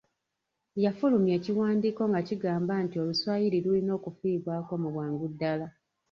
Yafulumya ekiwandiiko nga kigamba nti Oluswayiri lulina okufiibwako mu bwangu ddala.